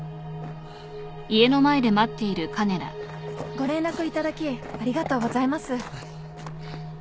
ご連絡いただきありがとうございます。